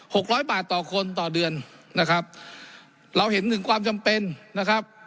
หกร้อยบาทต่อคนต่อเดือนนะครับเราเห็นถึงความจำเป็นนะครับ